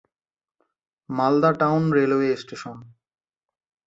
Malda town railway station